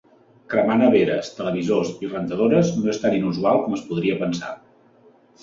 Cremar neveres, televisors i rentadores no és tan inusual com es podria pensar.